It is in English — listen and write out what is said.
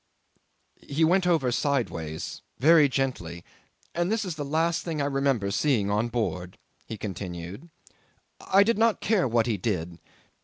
'"He went over sideways, very gently, and this is the last thing I remember seeing on board," he continued. "I did not care what he did.